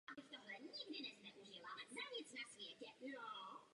Narodil se v Turnově v severovýchodních Čechách v úřednické rodině.